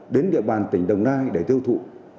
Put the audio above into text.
đến địa bàn tỉnh đồng nai để tiêu thụ